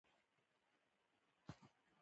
خوښي ښایسته ده.